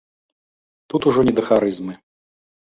Тут ужо не да харызмы.